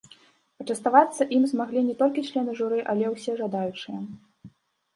Пачаставацца ім змаглі не толькі члены журы, але і ўсе жадаючыя.